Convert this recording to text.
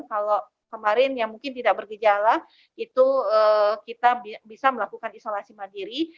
kalau kemarin yang mungkin tidak bergejala itu kita bisa melakukan isolasi mandiri